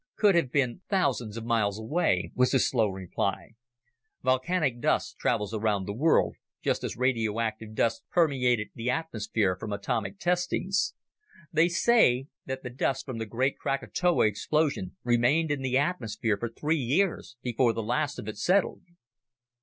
"Could have been thousands of miles away," was his slow reply. "Volcanic dust travels around the world, just as radioactive dust permeated the atmosphere from atomic testings. They say that the dust from the great Krakatoa explosion remained in the atmosphere for three years before the last of it settled."